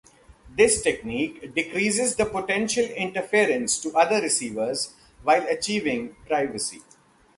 This technique decreases the potential interference to other receivers while achieving privacy.